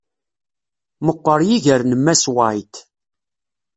Meqqeṛ yiger n Mass White.